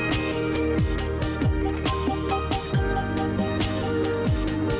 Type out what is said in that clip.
ngapain kamu pak kit tidur segala